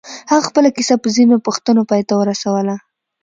هغه خپله کيسه په ځينو پوښتنو پای ته ورسوله.